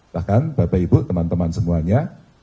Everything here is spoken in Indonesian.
bahkan bapak ibu teman teman semuanya